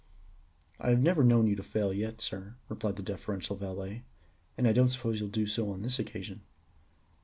"I have never known you to fail yet, sir," replied the deferential valet, "and I don't suppose you'll do so on this occasion."